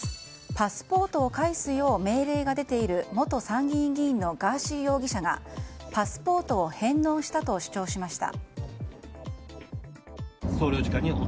パスポートを返すよう命令が出ている元参議院議員のガーシー容疑者がパスポートを返納したと主張しました。